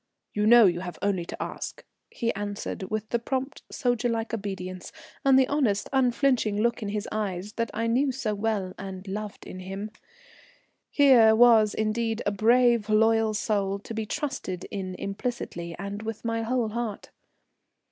"You know you have only to ask," he answered, with the prompt, soldierlike obedience, and the honest, unflinching look in his eyes that I knew so well and loved in him. Here was, indeed, a brave, loyal soul, to be trusted in implicitly, and with my whole heart.